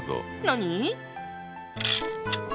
何？